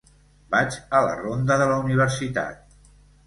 Vaig a la ronda de la Universitat.